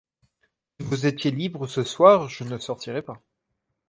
Si vous étiez libre ce soir, je ne sortirai pas.